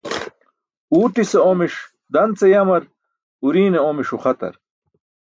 Uwtise omiṣ dan ce yamar, uriṅe omiṣ uxatar